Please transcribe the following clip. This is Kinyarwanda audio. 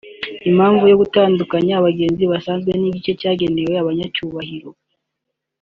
Impamvu yo gutandukanya abagenzi basanzwe n’igice cyagenewe abanyacyubahiro